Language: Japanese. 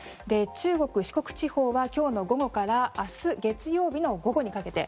中国・四国地方は今日の午後から明日月曜日の午後にかけて。